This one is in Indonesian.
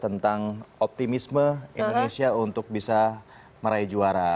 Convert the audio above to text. tentang optimisme indonesia untuk bisa meraih juara